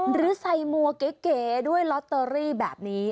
หรือใส่มัวเก๋ด้วยลอตเตอรี่แบบนี้